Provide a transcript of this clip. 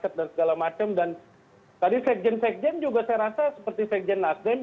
segala macam dan tadi sekjen sekjen juga saya rasa seperti sekjen nasdem